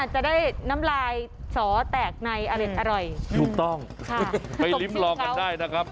จะได้น้ำลายสอแตกในอเล็ดอร่อยถูกต้องไปริ้มลองกันได้นะครับ